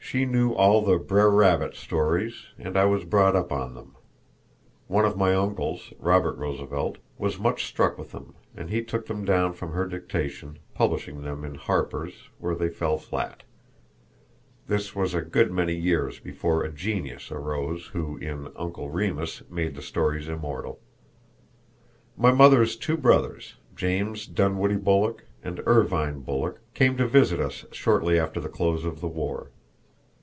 She knew all the "Br'er Rabbit" stories, and I was brought up on them. One of my uncles, Robert Roosevelt, was much struck with them, and took them down from her dictation, publishing them in Harper's, where they fell flat. This was a good many years before a genius arose who in "Uncle Remus" made the stories immortal. My mother's two brothers, James Dunwoodie Bulloch and Irvine Bulloch, came to visit us shortly after the close of the war.